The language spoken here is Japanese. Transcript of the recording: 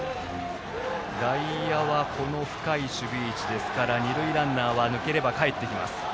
外野は深い守備位置ですから二塁ランナーは抜ければかえってきます。